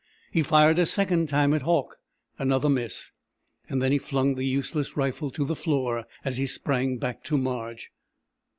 He fired a second time at Hauck another miss! Then he flung the useless rifle to the floor as he sprang back to Marge.